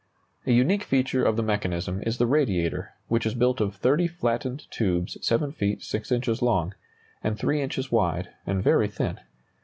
] A unique feature of the mechanism is the radiator, which is built of 30 flattened tubes 7 feet 6 inches long, and 3 inches wide, and very thin.